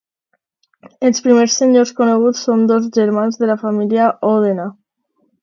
Els primers senyors coneguts són dos germans de la família Òdena.